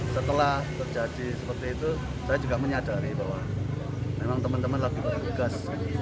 setelah terjadi seperti itu saya juga menyadari bahwa memang teman teman lagi bertugas